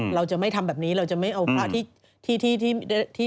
เราจะไม่ทำแบบนี้เราจะไม่เอาพระที่